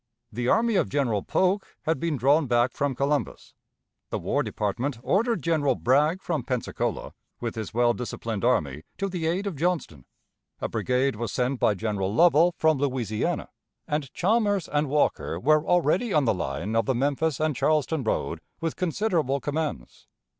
The army of General Polk had been drawn back from Columbus. The War Department ordered General Bragg from Pensacola, with his well disciplined army, to the aid of Johnston. A brigade was sent by General Lovell from Louisiana, and Chalmers and Walker were already on the line of the Memphis and Charleston road with considerable commands.